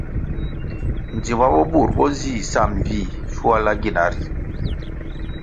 Djima bo bur bo nzih sa mbpih shuala gina ri.